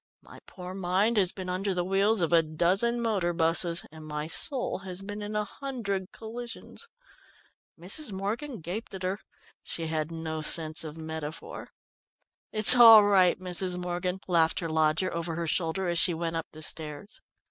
"My poor mind has been under the wheels of a dozen motor buses, and my soul has been in a hundred collisions." Mrs. Morgan gaped at her. She had no sense of metaphor. "It's all right, Mrs. Morgan," laughed her lodger over her shoulder as she went up the stairs.